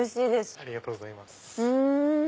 ありがとうございます。